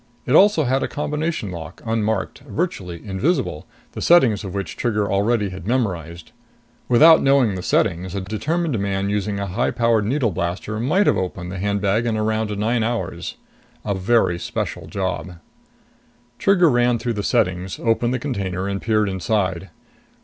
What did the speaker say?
It also had a combination lock, unmarked, virtually invisible, the settings of which Trigger already had memorized. Without knowing the settings, a determined man using a high powered needle blaster might have opened the handbag in around nine hours. A very special job. Trigger ran through the settings, opened the container and peered inside.